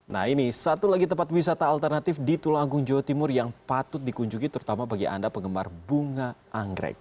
nah ini satu lagi tempat wisata alternatif di tulungun jawa timur yang patut dikunjungi terutama bagi anda penggemar bunga anggrek